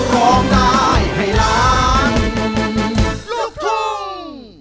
ร้องได้ร้องได้ร้องได้